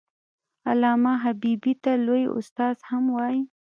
علامه حبيبي ته لوى استاد هم وايي.